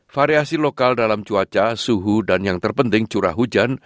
variasi lokal dalam cuaca suhu dan yang terpenting curah hujan